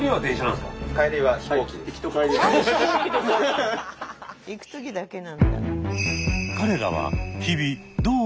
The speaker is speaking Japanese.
行く時だけなんだ。